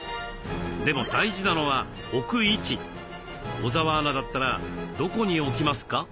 小澤アナだったらどこに置きますか？